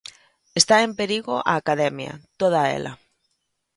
"Está en perigo a Academia, toda ela".